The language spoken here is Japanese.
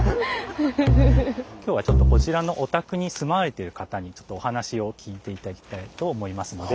今日はこちらのお宅に住まわれてる方にちょっとお話を聞いて頂きたいと思いますのでお願いします。